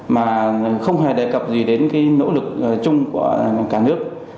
mà không hề đề cập gì đến cái nỗ lực chung của cả nước